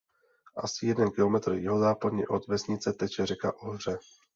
Asi jeden kilometr jihozápadně od vesnice teče řeka Ohře.